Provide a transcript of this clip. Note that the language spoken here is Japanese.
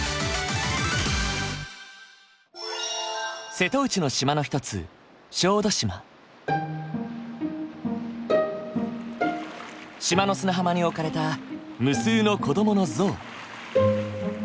瀬戸内の島の一つ島の砂浜に置かれた無数の子どもの像。